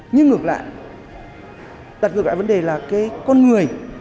nhưng ngược lại đặt ngược lại vấn đề là cái con người